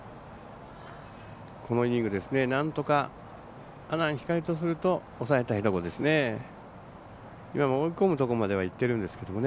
このイニング、なんとか阿南光とすると抑えたいところですね。